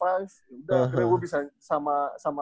udah akhirnya gue bisa sama